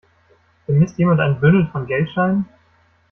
Vermisst jemand ein Bündel von Geldscheinen?